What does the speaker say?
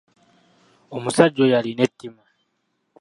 Omusajja oyo alina ettima.